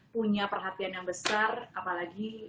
punya perhatian yang besar apalagi